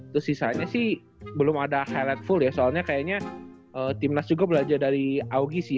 terus sisanya sih belum ada highlight full ya soalnya kayaknya timnas juga belajar dari augi sih